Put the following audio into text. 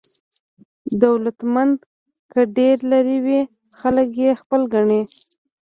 دولتمند که ډېر لرې وي، خلک یې خپل ګڼي.